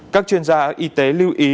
các chuyên gia y tế lưu ý